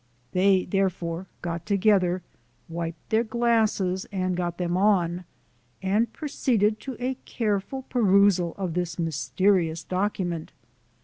58 SOME SCENES IN THE They, therefore, got together, wiped their glasses, and got them on, and proceeded to a careful peru sal of this mysterious document.